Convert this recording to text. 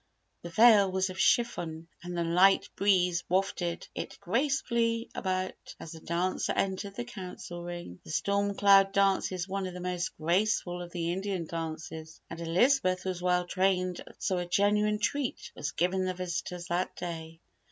The veil was of chiffon and the light breeze wafted it gracefully about as the dancer entered the Council Ring. The Storm Cloud dance is one of the most graceful of the Indian Dances and Elizabeth was well trained so a genuine treat was given the visitors that day.